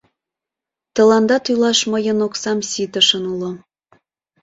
Тыланда тӱлаш мыйын оксам ситышын уло.